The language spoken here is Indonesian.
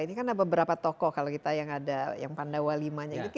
ini kan ada beberapa tokoh kalau kita yang ada yang pandawalimanya itu